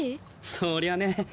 そりゃね。